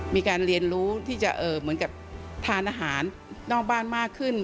มีการเรียนรู้ที่จะเหมือนกับทานอาหารนอกบ้านมากขึ้น